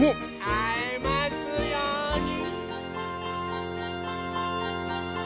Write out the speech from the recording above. あえますように。